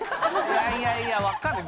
いやいやいやわかんない。